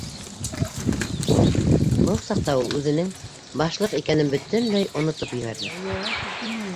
Был саҡта ул үҙенең Башлыҡ икәнен бөтөнләй онотоп ебәрҙе.